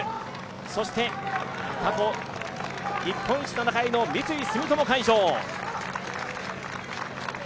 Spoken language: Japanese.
そして過去日本一７回の三井住友海上。